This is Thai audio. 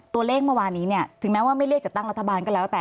ตัวเลขเมื่อวานนี้เนี่ยถึงแม้ว่าไม่เรียกจัดตั้งรัฐบาลก็แล้วแต่